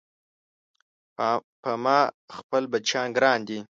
په ما خپل بچيان ګران دي